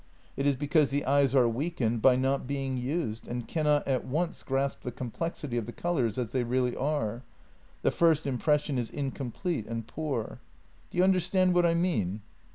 It is because the eyes are weakened by not being used and cannot at once grasp the com plexity of the colours as they really are; the first impression is incomplete and poor. Do you understand what I mean?